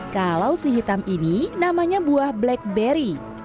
kalau si hitam ini namanya buah blackberry